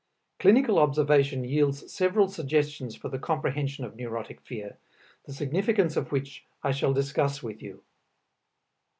Clinical observation yields several suggestions for the comprehension of neurotic fear, the significance of which I shall discuss with you.